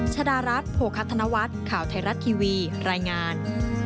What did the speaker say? ชดารัฐโภคัธนวัฒน์ข่าวไทยรัฐทีวีรายงาน